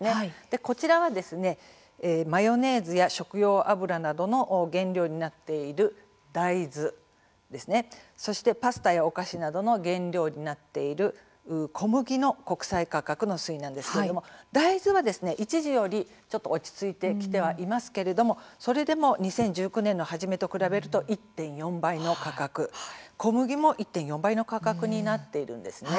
こちらはマヨネーズや食用油などの原料になっている大豆そしてパスタやお菓子などの原料になっている小麦の国際価格の推移なんですが大豆は一時より少し落ち着いてはきていますがそれでも２０１９年の初めと比べると１．４倍の価格小麦も１．４倍の価格になっているんです。